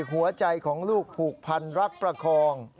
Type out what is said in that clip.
หัวใจของลูกผูกพันรักประคอง